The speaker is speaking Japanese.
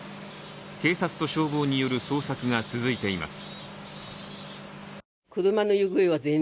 警察と消防による捜索が続いています。